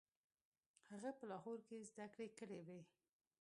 هغه په لاهور کې زده کړې کړې وې.